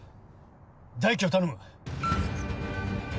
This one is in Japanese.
大樹を頼む。